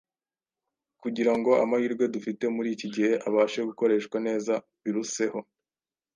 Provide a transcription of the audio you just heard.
kugira ngo amahirwe dufite muri iki gihe abashe gukoreshwa neza biruseho.